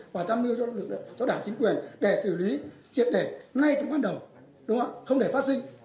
và tham hưu cho đảng chính quyền để xử lý triệt đề ngay từ ban đầu không để phát sinh